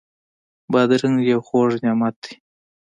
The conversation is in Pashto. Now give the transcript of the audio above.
بادرنګ یو خوږ نعمت دی.